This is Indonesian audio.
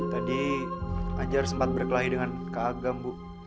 tadi ajar sempat berkelahi dengan kak agam bu